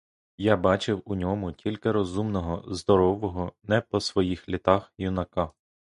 Я бачив у ньому тільки розумного, здорового, не по своїх літах, юнака.